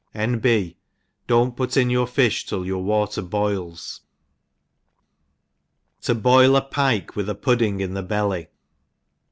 —— N. B. Don't put in your fiih till your water boils« To boil a Pike with a pudding in the belly.